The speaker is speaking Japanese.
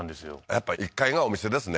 やっぱ１階がお店ですね